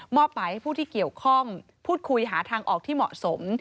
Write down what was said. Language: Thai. หมายให้ผู้ที่เกี่ยวข้องพูดคุยหาทางออกที่เหมาะสม